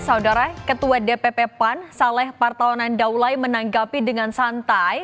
saudara ketua dpp pan saleh partonan daulai menanggapi dengan santai